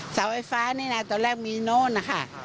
เสาไฟฟ้านี่นะตอนแรกมีโน้นนะคะ